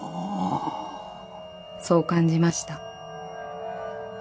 ［そう感じました］